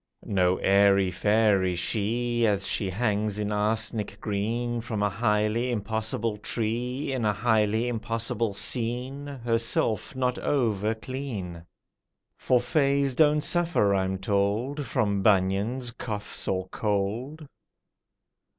No airy fairy she, As she hangs in arsenic green From a highly impossible tree In a highly impossible scene (Herself not over clean). For fays don't suffer, I'm told, From bunions, coughs, or cold.